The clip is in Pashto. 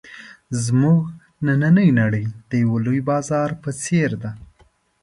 زموږ نننۍ نړۍ د یوه لوی بازار په څېر ده.